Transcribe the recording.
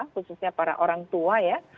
khususnya para orang tua ya